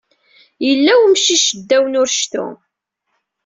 Yella wemcic ddaw n urectu.